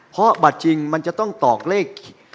เพราะบัตรจริงมันจะต้องตอกเลข